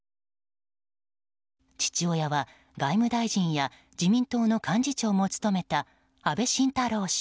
父親は、外務大臣や自民党の幹事長も務めた安倍晋太郎氏。